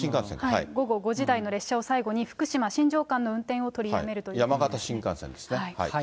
午後５時台の列車を最後に福島・新庄間の運転を取りやめると山形新幹線ですね。